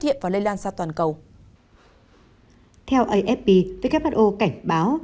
hiện và lây lan ra toàn cầu theo afp who cảnh báo